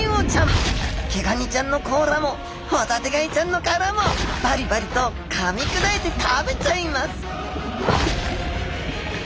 ケガニちゃんの甲羅もホタテガイちゃんの殻もバリバリとかみ砕いて食べちゃいます